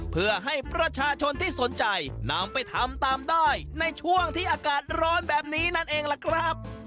เพื่อให้ประชาชนที่สนใจนำไปทำตามได้ในช่วงที่อากาศร้อนแบบนี้นั่นเองล่ะครับ